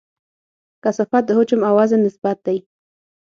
کثافت د حجم او وزن نسبت دی.